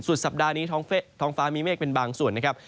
สุดสัปดาห์นี้ท้องเฟธองฟ้ามีเม็กเป็นบางส่วนนะครับ